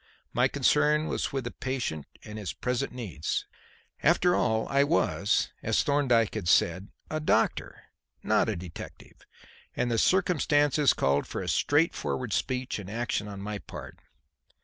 My concern was with the patient and his present needs. After all, I was, as Thorndyke had said, a doctor, not a detective, and the circumstances called for straightforward speech and action on my part.